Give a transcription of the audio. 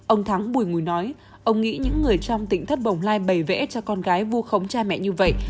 ông thắng bùi ngùi nói ông nghĩ những người trong tỉnh thất bồng lai bày vẽ cho con gái vu khống cha mẹ như vậy